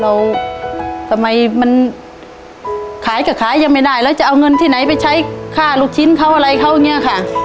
ทำไมมันขายก็ขายยังไม่ได้แล้วจะเอาเงินที่ไหนไปใช้ค่าลูกชิ้นเขาอะไรเขาอย่างนี้ค่ะ